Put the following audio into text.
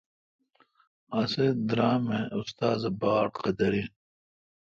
اسی درام می استادہ باڑقدر این